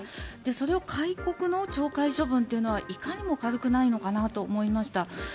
それを戒告の懲戒処分というのはいかにも軽くないのかなと思いました。